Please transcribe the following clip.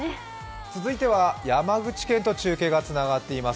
続いては山口県と中継がつながっています。